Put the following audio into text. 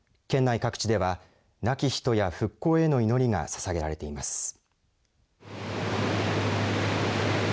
県内各地では亡き人や復興への祈りがささげられています。